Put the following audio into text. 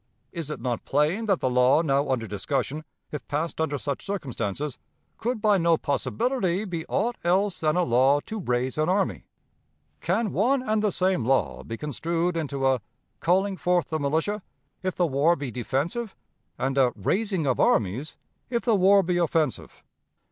Is it not plain that the law now under discussion, if passed under such circumstances, could by no possibility be aught else than a law to 'raise an army'? Can one and the same law be construed into a 'calling forth the militia,' if the war be defensive, and a 'raising of armies,' if the war be offensive?